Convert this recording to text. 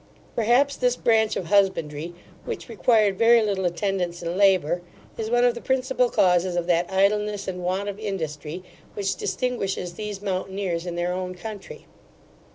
Perhaps this branch of husbandry, which required very little attendance and labour, is one of the principal causes of that idleness and want of industry, which distinguishes these mountaineers in their own country.